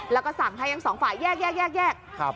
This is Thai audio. แล้วก็สั่งให้ทั้งสองฝ่ายแยก